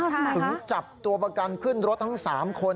ถึงจับตัวประกันขึ้นรถทั้ง๓คน